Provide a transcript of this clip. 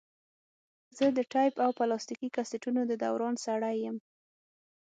زه د ټیپ او پلاستیکي کسټونو د دوران سړی یم.